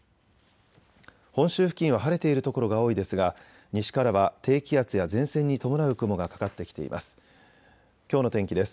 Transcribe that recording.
本州付近は晴れている所が多いですが西からは低気圧や前線に伴う雲がかかってきています。